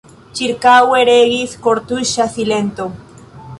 Ĉirkaŭe regis kortuŝa silento.